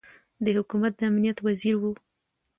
د حکومت د امنیت وزیر ؤ